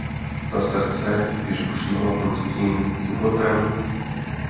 Ta srdce, jež bušívala prudkým tlukotem?